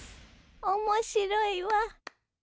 面白いわ。